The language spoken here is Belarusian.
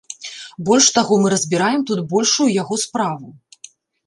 Больш таго, мы разбіраем тут большую яго справу.